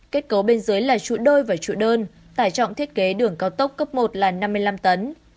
kết cấu bên dưới là trụ đôi và trụ đơn tải trọng thiết kế đường cao tốc cấp một là năm mươi năm tấn